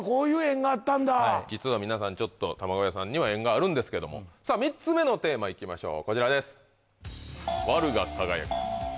もう実は皆さんちょっと玉子屋さんには縁があるんですが３つ目のテーマいきましょうこちらです